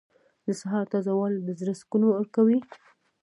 • د سهار تازه والی د زړه سکون ورکوي.